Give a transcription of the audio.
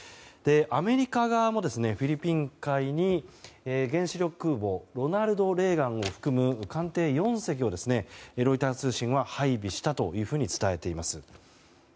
アメリカ側もフィリピン海に原子力空母「ロナルド・レーガン」を含む艦艇４隻を配備したとロイター通信は伝えています。